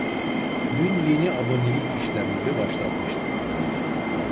Dün yeni abonelik işlemleri başlatmıştım